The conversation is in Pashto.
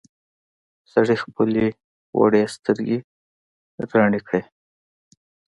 سړي خپلې وړې سترګې رڼې کړې.